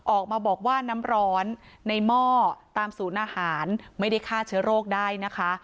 ออกมาบอกว่าน้ำร้อนในหม้อตามศูนย์อาหารไม่ได้ฆ่าเชื้อโรคได้นะคะ